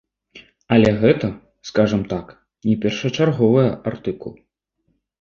Але гэта, скажам так, не першачарговая артыкул.